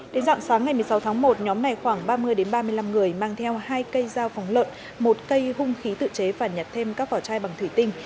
đến dặn sáng ngày một mươi sáu tháng một nhóm này khoảng ba mươi ba mươi năm người mang theo hai cây dao phóng lợn một cây hung khí tự chế và nhặt thêm các vỏ chai bằng thủy tinh